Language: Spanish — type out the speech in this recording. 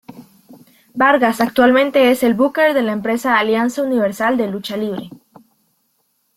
Vargas actualmente es el booker de la empresa Alianza Universal de Lucha Libre.